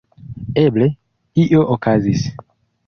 Eble, io okazis.